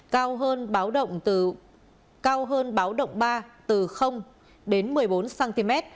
cao hơn báo động ba từ đến một mươi bốn cm